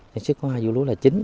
chỉ có hai vụ lúa là chính